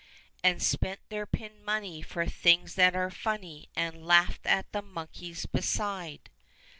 And spent their pin money for things that are funny. And laughed at the monkeys, beside.